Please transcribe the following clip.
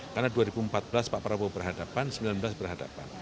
karena dua ribu empat belas pak prabowo berhadapan dua ribu sembilan belas berhadapan